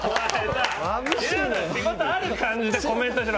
仕事ある感じでコメントしろ！